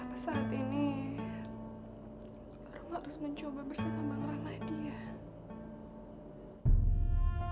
apa saat ini rumah harus mencoba bersama bang ramadhi ya